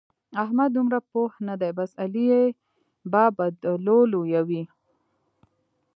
احمد دومره پوه نه دی؛ بس علي يې به بدلو لويوي.